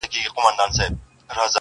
• ستا د حُسن د الهام جام یې څښلی,